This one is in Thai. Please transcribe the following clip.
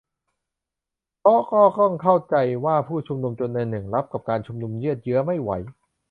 เพราะก็ต้องเข้าใจว่าผู้ชุมนุมจำนวนหนึ่งรับกับการชุมนุมยืดเยื้อไม่ไหว